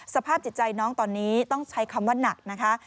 สภาพจิตใจน้องตอนนี้ต้องใช้คำว่าหนักนะคะ